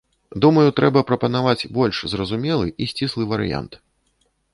Думаю, трэба прапанаваць больш зразумелы і сціслы варыянт.